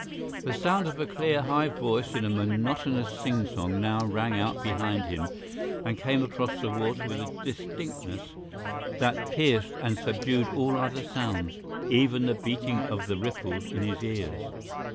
The sound of a clear, high voice in a monotonous singsong now rang out behind him and came across the water with a distinctness that pierced and subdued all other sounds, even the beating of the ripples in his ears.